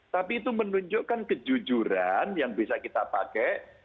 tapi itu menunjukkan kejujuran yang bisa kita pakai